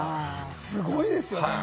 すごいですよね。